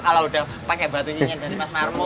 kalau udah pakai batu ini dari mas marmo